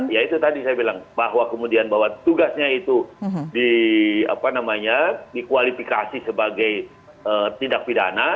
ya itu tadi saya bilang bahwa kemudian bahwa tugasnya itu dikualifikasi sebagai tindak pidana